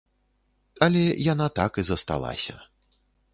Але яна так і засталася.